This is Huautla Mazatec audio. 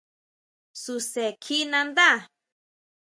Suse kjí nanda.